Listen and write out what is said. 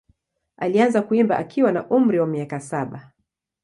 Alianza kuimba akiwa na umri wa miaka saba.